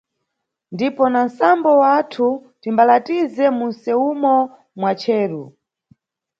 Ndipo na nʼsambo wathu timbalatize munʼsewumo mwa cheru.